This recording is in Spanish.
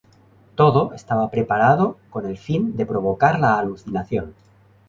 Todo estaba preparado con el fin de provocar la alucinación.